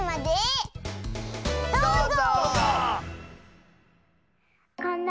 どうぞ！